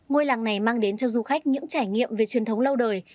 ngôi làng này mang đến cho du khách những trải nghiệm về truyền thống lâu đời